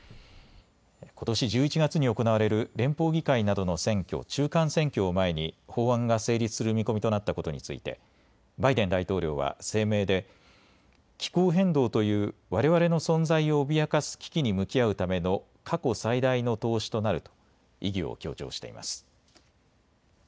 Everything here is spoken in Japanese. ことし１１月に行われる連邦議会などの選挙を中間選挙を前に法案が成立する見込みとなったことについてバイデン大統領は声明で気候変動というわれわれの存在を脅かす危機に向き合うための過去最大の投資となると意義を強調しています。